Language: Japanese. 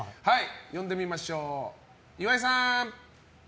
呼んでみましょう、岩井さん！